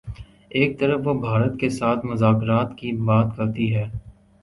ایک طرف وہ بھارت کے ساتھ مذاکرات کی بات کرتی ہے۔